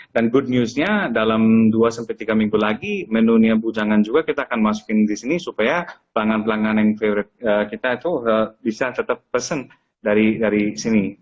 dan good newsnya dalam dua sampai tiga minggu lagi menu nia bu jangan juga kita akan masukin disini supaya pelanggan pelanggan favorite kita itu bisa tetap pesen dari sini